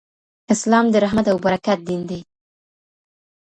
اسلام د رحمت او برکت دین دی.